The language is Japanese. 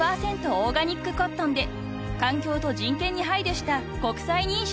オーガニックコットンで環境と人権に配慮した国際認証を取得］